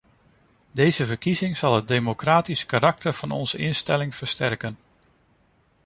Deze verkiezing zal het democratische karakter van onze instelling versterken.